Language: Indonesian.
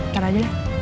tarah aja lah